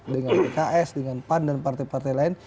dengan pks dengan pan dan partai partai lain